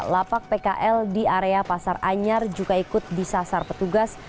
lapak pkl di area pasar anyar juga ikut disasar petugas